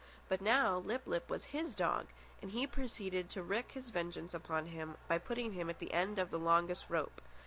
But now Lip lip was his dog, and he proceeded to wreak his vengeance on him by putting him at the end of the longest rope.